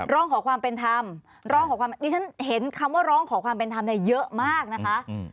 ร้องขอความเป็นธรรมร้องขอความดิฉันเห็นคำว่าร้องขอความเป็นธรรมเนี่ยเยอะมากนะคะ